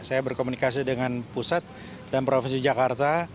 saya berkomunikasi dengan pusat dan provinsi jakarta